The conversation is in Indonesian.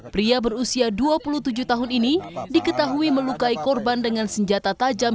pria berusia dua puluh tujuh tahun ini diketahui melukai korban dengan senjata tajam